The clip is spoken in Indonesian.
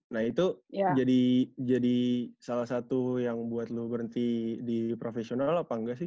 nah itu jadi salah satu yang buat lo berhenti di profesional apa enggak sih